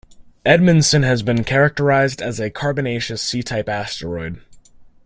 "Edmondson" has been characerized as a carbonaceous C-type asteroid.